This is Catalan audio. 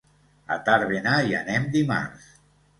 A Tàrbena hi anem dimarts.